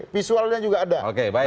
visualnya juga ada oke baik